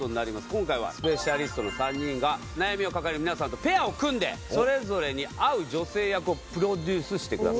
今回はスペシャリストの３人が悩みを抱える皆さんとペアを組んでそれぞれに合う女性役をプロデュースしてください。